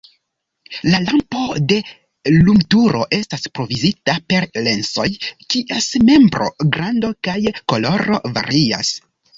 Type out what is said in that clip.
La lampo de lumturo estas provizita per lensoj, kies nombro, grando kaj koloro varias.